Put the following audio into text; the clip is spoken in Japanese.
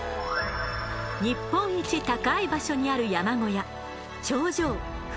日本一高い場所にある山小屋